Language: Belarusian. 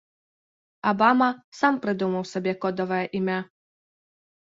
Абама сам прыдумаў сабе кодавае імя.